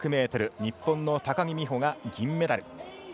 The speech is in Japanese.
日本の高木美帆が銀メダル。